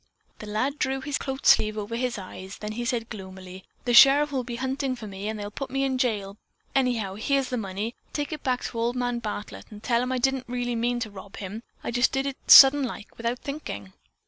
The lad drew his coat sleeve over his eyes, then he said gloomily: "The sheriff will be hunting for me and they'll put me in jail, but anyhow, here's the money. Take it back to Old Man Bartlett and tell him I didn't really mean to rob him. I did it just sudden like, without thinking."